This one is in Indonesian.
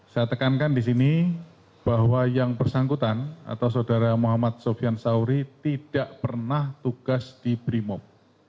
saya tekankan di sini bahwa yang bersangkutan atau saudara muhammad sofian sauri tidak pernah tugas di brimob